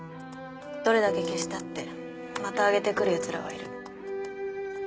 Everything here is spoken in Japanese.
どれだけ消したってまた上げてくる奴らはいる。